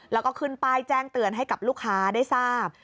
แล้วก็ขึ้นป้ายแจ้งเตือนให้กับลูกค้าได้ทราบ